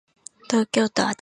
東京都足立区